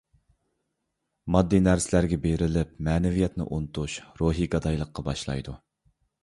ماددىي نەرسىلەرگە بېرىلىپ مەنىۋىيەتنى ئۇنتۇش روھىي گادايلىققا باشلايدۇ.